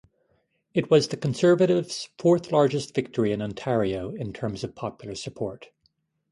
It was the Conservatives fourth largest victory in Ontario in terms of popular support.